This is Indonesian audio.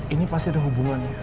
ini pasti ada hubungan ya